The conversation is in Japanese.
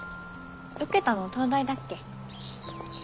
受けたの東大だっけ？